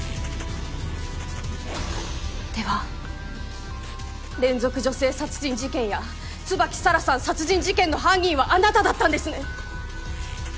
では連続女性殺人事件や椿沙良さん殺人事件の犯人はあなただったんですね？